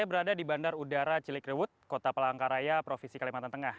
saya berada di bandar udara cilikriwut kota palangkaraya provinsi kalimantan tengah